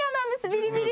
ビリビリ。